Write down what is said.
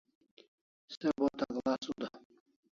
Se bo takla suda